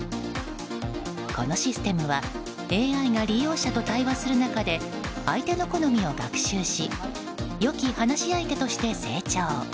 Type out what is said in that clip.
このシステムはＡＩが利用者と対話する中で相手の好みを学習し良き話し相手として成長。